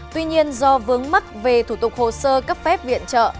tuy nhiên do vướng mắc về thủ tục hồ sơ cấp phép viện trợ